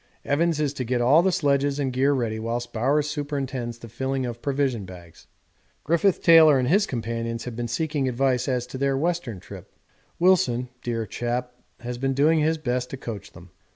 Evans is to get all the sledges and gear ready whilst Bowers superintends the filling of provision bags. Griffith Taylor and his companions have been seeking advice as to their Western trip. Wilson, dear chap, has been doing his best to coach them.